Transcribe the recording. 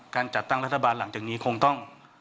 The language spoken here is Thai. จัดตั้งรัฐบาลหลังจากนี้คงต้อง